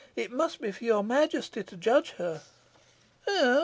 "It must be for your Majesty to judge her."